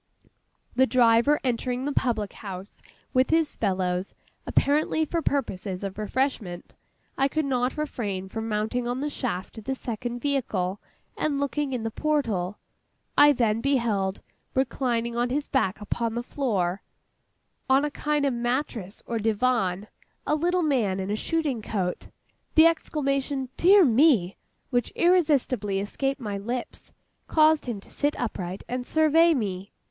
The driver entering the public house with his fellows, apparently for purposes of refreshment, I could not refrain from mounting on the shaft of the second vehicle, and looking in at the portal. I then beheld, reclining on his back upon the floor, on a kind of mattress or divan, a little man in a shooting coat. The exclamation 'Dear me' which irresistibly escaped my lips caused him to sit upright, and survey me.